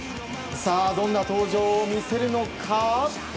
どんな登場を見せるのか。